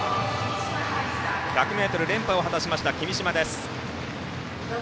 １００ｍ連覇を果たしました君嶋です。